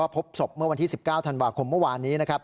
พบศพเมื่อวันที่๑๙ธันวาคมเมื่อวานนี้นะครับ